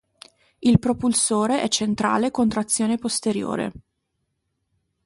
Il propulsore è centrale con trazione posteriore.